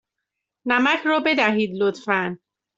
نمک را بدهید، لطفا.